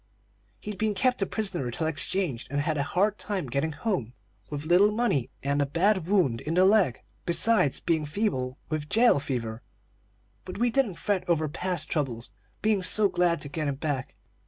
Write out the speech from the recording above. "He'd been kept a prisoner till exchanged, and had had a hard time getting home, with little money and a bad wound in the leg, besides being feeble with jail fever. But we didn't fret over past troubles, being so glad to get him back.